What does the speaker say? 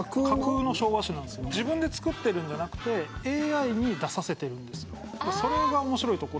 自分で作っているんではなくてＡＩに出させているんです。